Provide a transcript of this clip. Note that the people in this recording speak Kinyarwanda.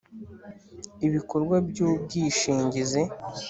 ibikorwa by ‘umwishingizi .